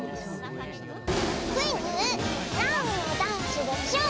クイズ「なんのダンスでしょう」